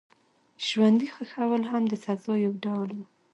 ژوندي ښخول هم د سزا یو ډول و.